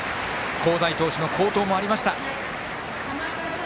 香西投手の好投もありました。